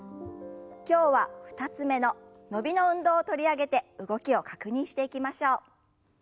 今日は２つ目の伸びの運動を取り上げて動きを確認していきましょう。